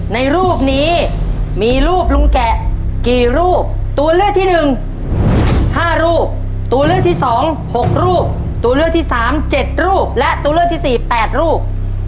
ในรูปนี้มีรูปลุงแกะกี่รูปตัวเลือกที่หนึ่งห้ารูปตัวเลือกที่สองหกรูปตัวเลือกที่สามเจ็ดรูปและตัวเลือกที่สี่แปดรูป